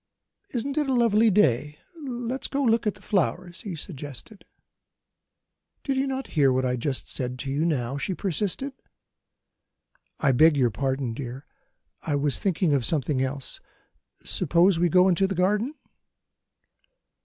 "Isn't it a lovely day? Let's go and look at the flowers," he suggested. "Did you not hear what I said to you just now?" she persisted. "I beg your pardon, dear; I was thinking of something else. Suppose we go into the garden?"